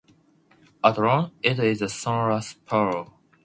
At long, it is a smaller sparrow.